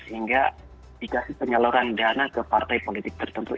sehingga dikasih penyaluran dana ke partai politik tertentu